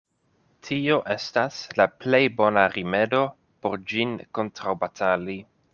Tio estas la plej bona rimedo por ĝin kontraŭbatali.